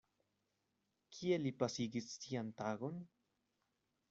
Kie li pasigis sian tagon?